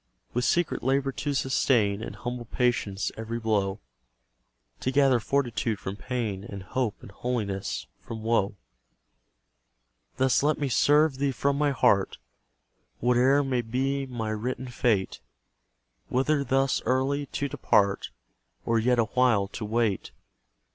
With secret labour to sustain In humble patience every blow; To gather fortitude from pain, And hope and holiness from woe. Thus let me serve Thee from my heart, Whate'er may be my written fate: Whether thus early to depart, Or yet a while to wait.